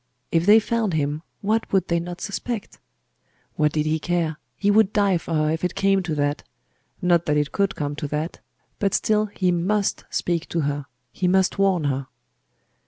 If they found him, what would they not suspect? What did he care? He would die for her, if it came to that not that it could come to that: but still he must speak to her he must warn her.